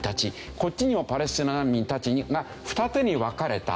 こっちにもパレスチナ難民たちが二手に分かれた。